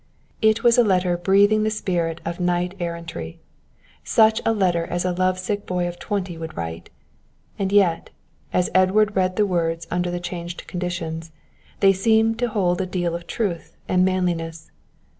It was a letter breathing the spirit of knight errantry, such a letter as a love sick boy of twenty would write. And yet, as Edward read the words under the changed conditions, they seemed to hold a deal of truth and manliness.